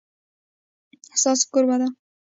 ستاسو کور ودان؟